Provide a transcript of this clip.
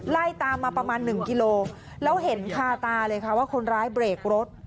ไล่ตามมาประมาณหนึ่งกิโลแล้วเห็นคาตาเลยค่ะว่าคนร้ายเบรกรถ